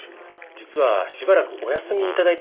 実はしばらくお休み頂いてるんですよ。